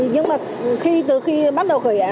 nhưng mà từ khi bắt đầu